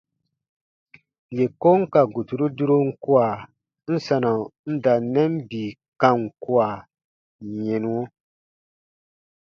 Yè kon ka guturu durom kua, n sanɔ n da n nɛn bii kam kua yɛnuɔ.